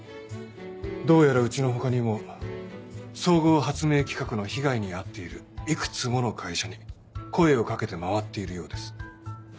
どうやらうちの他にも総合発明企画の被害に遭っているいくつもの会社に声をかけて回っているようです。